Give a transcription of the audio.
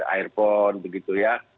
airpond begitu ya